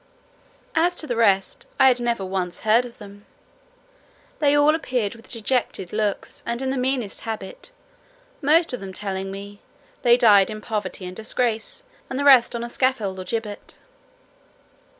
As to the rest, I had never once heard of them. They all appeared with dejected looks, and in the meanest habit; most of them telling me, "they died in poverty and disgrace, and the rest on a scaffold or a gibbet."